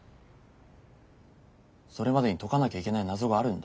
それまでに解かなきゃいけない謎があるんだ。